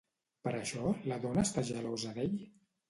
Per això la dona està gelosa d'ell?